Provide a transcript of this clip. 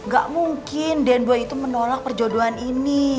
gak mungkin den boy itu menolak perjodohan ini